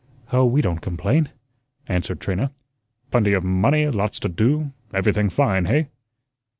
"Oh, we don't complain," answered Trina. "Plenty of money, lots to do, everything fine, hey?"